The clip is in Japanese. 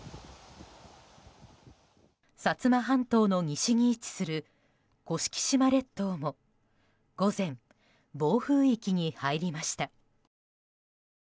薩摩半島の西に位置する甑島列島も午前、暴風域に入りました。